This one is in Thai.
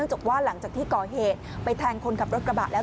จากว่าหลังจากที่ก่อเหตุไปแทงคนขับรถกระบะแล้ว